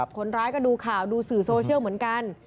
คนร้ายก็ดูข่าวดูสื่อโซเชียลเหมือนกัน